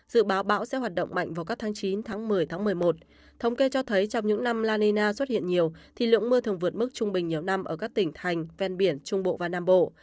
dự báo bão sẽ hoạt động mạnh vào các tháng chín tháng một mươi tháng một mươi một thống kê cho thấy trong những năm la nina xuất hiện nhiều thì lượng mưa thường vượt mức trung bình nhiều năm ở các tỉnh thành ven biển trung bộ và nam bộ